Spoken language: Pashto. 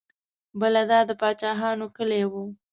بل دا د پاچاهانو کلی و.